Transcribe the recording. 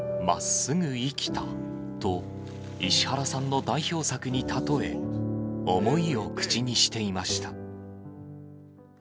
まっすぐ生きたと、石原さんの代表作に例え、思いを口にしていました。